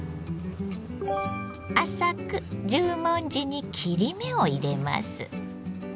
浅く十文字に切り目を入れます。